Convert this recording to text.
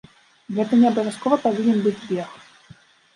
Гэта не абавязкова павінен быць бег.